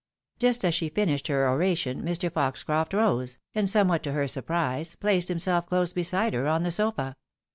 Just as she finished her oration Mr. Foxcroft rose, and, some what to her surprise, placed himself close beside her on the sofa.